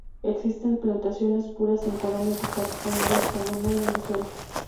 Existen plantaciones puras en Colombia, Costa Rica, Honduras, Panamá y Venezuela.